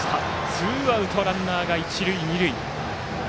ツーアウト、ランナーが一塁二塁。